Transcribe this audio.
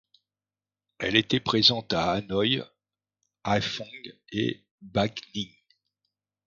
Elle était présente à Hanoï, Hải Phòng et Bắc Ninh.